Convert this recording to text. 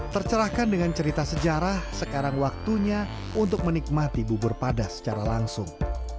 tercerahkan dengan cerita sejarah sekarang waktunya untuk menikmati bubur pada secara langsung